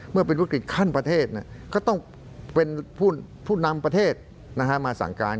มันเป็นวิกฤตขั้นประเทศก็ต้องเป็นผู้นำประเทศมาสั่งการ